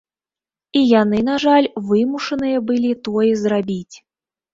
І яны, на жаль, вымушаныя былі тое зрабіць.